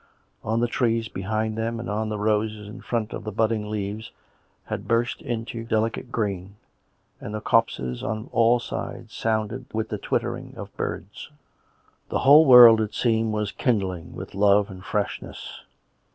On the trees behind them and on the roses in front the budding leaves had burst into delicate green, and the copses on all sides sounded with the twitter ing of birds. The whole world, it seemed, was kindling with love and freshness.